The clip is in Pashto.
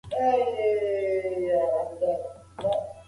زه به تر راتلونکي اختر پورې خپلې ټولې پېسې سپما کړم.